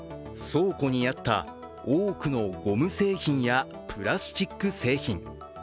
倉庫にあった多くのゴム製品やプラスチック製品。